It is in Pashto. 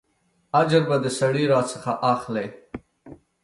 اجر به د سړي راڅخه اخلې.